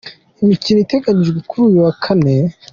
Imikino iteganyijwe kuri uyu wa Kane.